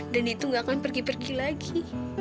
dan itu gak akan pergi pergi lagi